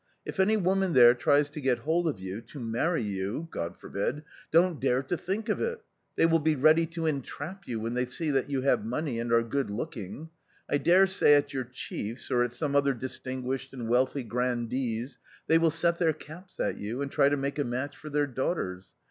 If any woman there tries to giThold of you — to marry you — God forbid !— don't dare to think of it! They will be ready to entrap you, when they see you have money and are good looking. I daresay at your chiefs or at some other distinguished and wealthy grandee's, they will set their caps at you and try to make a match for their daughters.